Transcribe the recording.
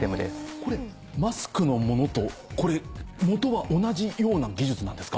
これマスクのものと元は同じような技術なんですか？